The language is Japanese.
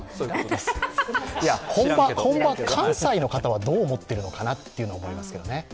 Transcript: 本場・関西の方はどう思っているのかなと思いますけどね。